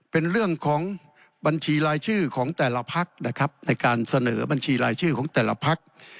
เป็นเรื่องของบัญชีรายชื่อของแต่ละพักนะครับในการเสนอบัญชีรายชื่อของแต่ละพัก